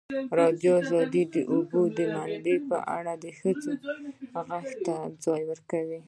ازادي راډیو د د اوبو منابع په اړه د ښځو غږ ته ځای ورکړی.